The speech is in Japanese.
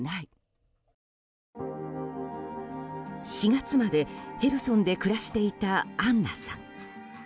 ４月までヘルソンで暮らしていた、アンナさん。